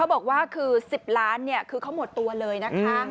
บอกว่าคือ๑๐ล้านคือเขาหมดตัวเลยนะคะ